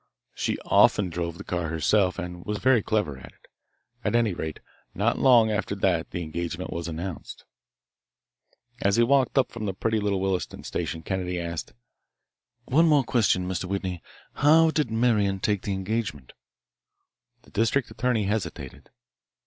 She often drove the car herself and was very clever at it. At any rate, not long after that the engagement was announced." As he walked up from the pretty little Williston station Kennedy asked: "One more question, Mr. Whitney. How did Marian take the engagement?" The district attorney hesitated.